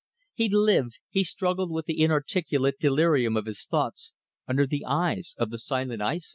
He lived, he struggled with the inarticulate delirium of his thoughts under the eyes of the silent Aissa.